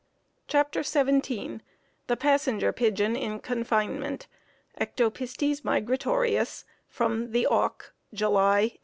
CHAPTER XVII The Passenger Pigeon in Confinement (Ectopistes migratorius) From "The Auk," July, 1896.